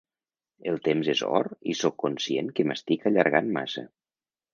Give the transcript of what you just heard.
El temps és or i sóc conscient que m’estic allargant massa.